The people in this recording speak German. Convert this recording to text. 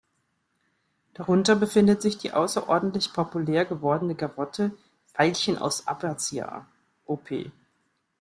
Darunter befindet sich die außerordentlich populär gewordene Gavotte "Veilchen aus Abbazia", op.